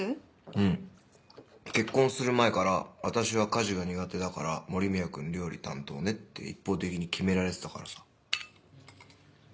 うん結婚する前から「私は家事が苦手だから森宮君料理担当ね」って一方的に決められてたからさ。